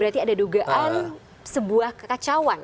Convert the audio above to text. berarti ada dugaan sebuah kekacauan